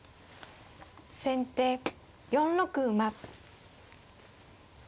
先手４六馬。